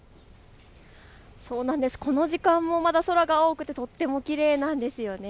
この時間も空がまだ青くてとてもきれいなんです。